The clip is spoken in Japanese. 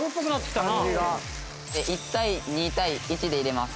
１対２対１で入れます。